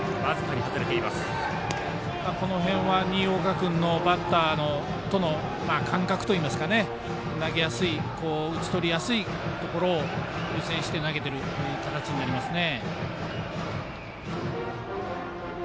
新岡君、バッターとの感覚といいますか、投げやすい打ち取りやすいところを優先して投げている形になりますね。